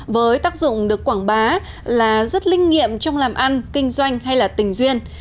với tác dụng được quảng bá là rất linh nghiệm trong làm ăn kinh doanh hay là tình duyên